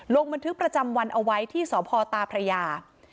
ลงบันทึกประจำวันเอาไว้ที่สพตาพระยา